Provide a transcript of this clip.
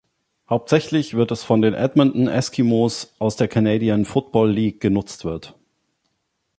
Hauptsächlich wird es von den Edmonton Eskimos aus der Canadian Football League genutzt wird.